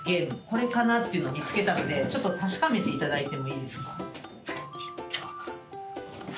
これかなというの見つけたのでちょっと確かめていただいてもいいですか？